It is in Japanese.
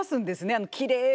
あのきれいな。